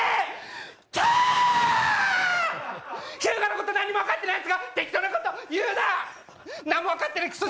ヒュウガのことなんにも分かってないやつが適当なこと言うな、何もわかってないくそ